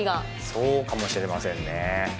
そうかもしれませんね。